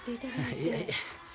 いやいや。